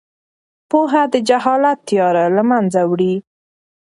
پوهه د جهالت تیاره له منځه وړي.